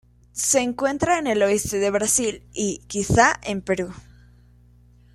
Se encuentra en el oeste de Brasil y, quizá, en Perú.